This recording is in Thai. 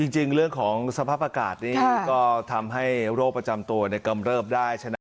จริงเรื่องของสภาพอากาศนี่ก็ทำให้โรคประจำตัวกำเริบได้ชนะ